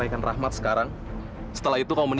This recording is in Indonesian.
kita sama tiap hari zijak kuat